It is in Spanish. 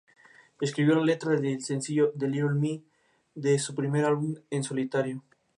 Escribió la letra del sencillo "The Little Me" de su primer álbum en solitario.